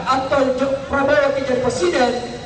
atau prabowo pikir presiden